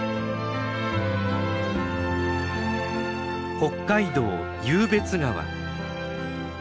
北海道湧別川。